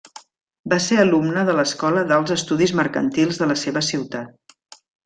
Va ser alumne de l'Escola d'Alts Estudis Mercantils de la seva ciutat.